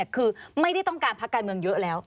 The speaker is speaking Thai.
คือไม่ได้ต้องการพักการเมืองเยอะแล้ว